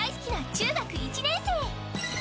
中学１年生。